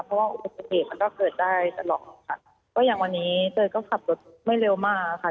เพราะว่าอุบัติเหตุมันก็เกิดได้ตลอดค่ะก็อย่างวันนี้เตยก็ขับรถไม่เร็วมากค่ะ